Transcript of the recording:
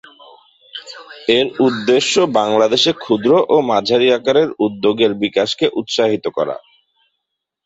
এর উদ্দেশ্য বাংলাদেশে ক্ষুদ্র ও মাঝারি আকারের উদ্যোগের বিকাশকে উৎসাহিত করা।